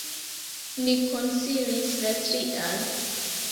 Ni konsilis la trian.